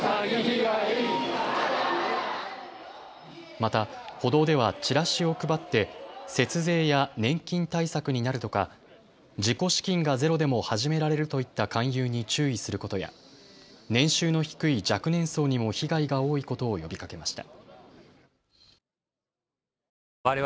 また歩道ではチラシを配って節税や年金対策になるとか自己資金がゼロでも始められるといった勧誘に注意することや年収の低い若年層にも被害が多いことを呼びかけました。